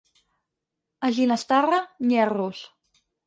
A Ginestarre, nyerros.